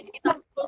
sekitar sepuluh km